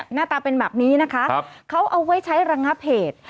หน้าตาเป็นแบบนี้นะคะเขาเอาไว้ใช้ระงับเหตุ